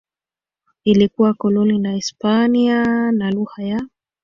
ilikuwa koloni la Hispania na lugha ya